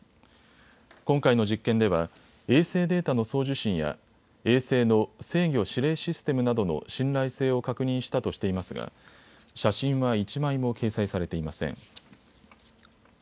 今回の実験では衛星データの送受信や衛星の制御・指令システムなどの信頼性を確認したとしていますが写真は１枚も掲載されていません。